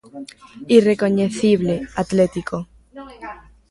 Irrecoñecible Atlético.